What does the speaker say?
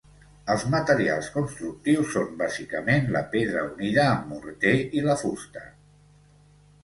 Els materials constructius són bàsicament la pedra unida amb morter i la fusta.